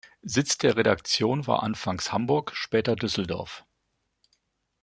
Sitz der Redaktion war anfangs Hamburg, später Düsseldorf.